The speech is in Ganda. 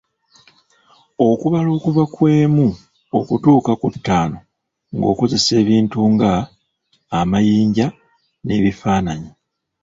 Okubala okuva ku emu okutuuka ku ttaano ng’okozesa ebintu nga: amayinja n'ebifaananyi .